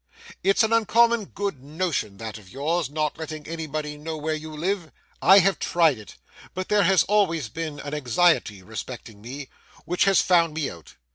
'It's an uncommon good notion that of yours, not letting anybody know where you live. I have tried it, but there has always been an anxiety respecting me, which has found me out.